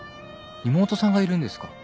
妹さんがいるんですか？